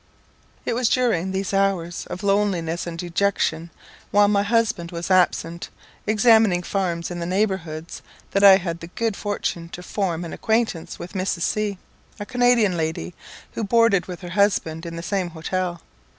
It was during these hours of loneliness and dejection, while my husband was absent examining farms in the neighbourhoods that I had the good fortune to form an quaintance with Mrs. C , a Canadian lady, who boarded with her husband in the same hotel.